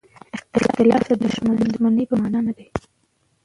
اختلاف د دښمنۍ په مانا نه دی.